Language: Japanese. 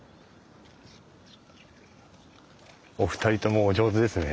お二人ともお上手ですね